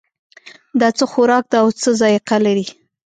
دا څه خوراک ده او څه ذائقه لري